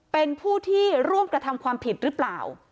เป็นผู้ที่ร่วมกระทำความผิดหรือเปล่า